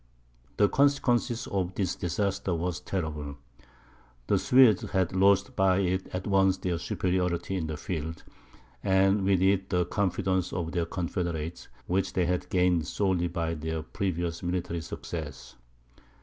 ] The consequences of this disaster were terrible. The Swedes had lost by it at once their superiority in the field, and with it the confidence of their confederates, which they had gained solely by their previous military success.